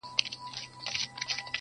مطرب رباب د سُر او تال خوږې نغمې لټوم.